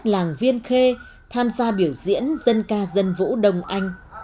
làng viên khê tham gia biểu diễn dân ca dân vũ đông anh